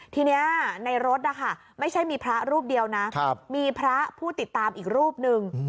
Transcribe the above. ทีนี้ในรถนะคะไม่ใช่มีพระรูปเดียวนะมีพระผู้ติดตามอีกรูปหนึ่ง